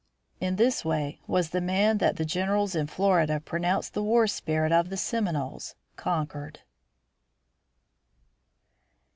In this way was the man that the generals in Florida pronounced the war spirit of the Seminoles conquered.